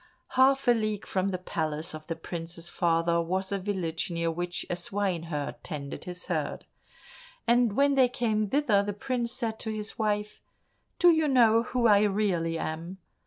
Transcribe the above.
Half a league from the palace of the prince's father was a village near which a swineherd tended his herd, and when they came thither the prince said to his wife, "Do you know who I really am?